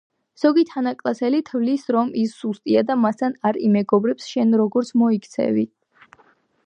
ზოგი თანაკლასელი თვლის რომ ის სუსტია და მასთან არ იმეგობრებს შენ როგორ მოიქცევი